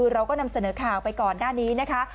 เราก็นำเสนอข่าวไปก่อนหน้านี้นะคะ